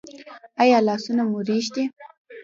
ایا لاسونه مو ریږدي؟